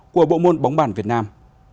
của bộ môn bóng bản việt nam